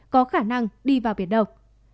có khả năng đi vào biển đông